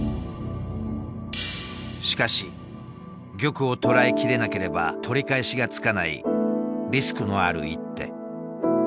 しかし玉をとらえ切れなければ取り返しがつかないリスクのある一手。